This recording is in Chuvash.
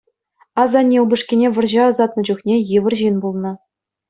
Асанне упӑшкине вӑрҫа ӑсатнӑ чухне йывӑр ҫын пулнӑ.